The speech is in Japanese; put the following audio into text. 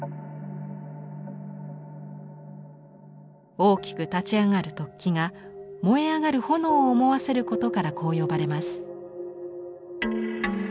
大きく立ち上がる突起が燃え上がる焔を思わせることからこう呼ばれます。